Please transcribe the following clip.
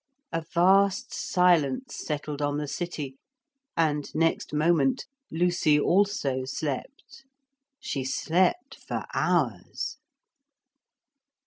A vast silence settled on the city, and next moment Lucy also slept. She slept for hours.